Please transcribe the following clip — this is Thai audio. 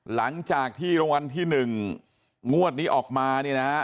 หลังจากที่รางวัลที่๑งวดนี้ออกมา